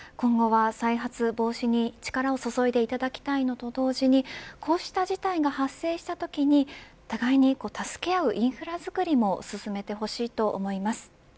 今後は再発防止に力を注いでいただきたいのと同時にこうした事態が発生したときに互いに助け合うインフラづくりも進めてほしいと思います。